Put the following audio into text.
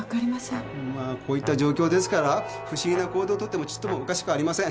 んーまあこういった状況ですから不思議な行動をとってもちっともおかしくありません。